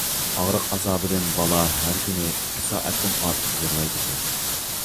ئاغرىق ئازابىدىن بالا ھەر كۈنى ئىككى سائەتتىن ئارتۇق يىغلايدىكەن.